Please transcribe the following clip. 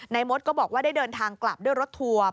มดก็บอกว่าได้เดินทางกลับด้วยรถทัวร์